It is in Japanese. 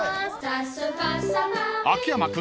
［秋山君